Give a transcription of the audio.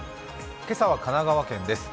今朝は神奈川県です。